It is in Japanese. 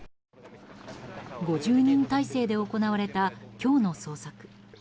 ５０人態勢で行われた今日の捜索。